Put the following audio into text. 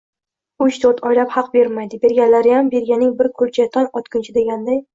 Uch-to‘rt oylab haq bermaydi, berganlariyam… Berganing bir kulcha, … tong otguncha deganday